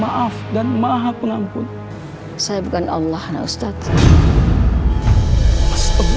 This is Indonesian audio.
maaf dan maaf pengampun saya bukan allah ustadz